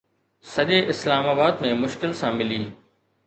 سڄي اسلام آباد ۾ مشڪل سان ملي